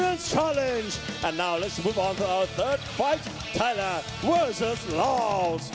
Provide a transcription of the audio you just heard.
และต่อไปตอนต่อไปไทยแลนด์หรือลาวส์